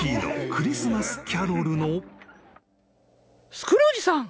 「スクルージさん。